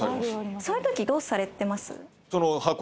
そういう時どうされてます？